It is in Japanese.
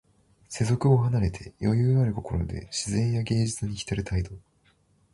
世俗を離れて、余裕ある心で自然や芸術にひたる態度。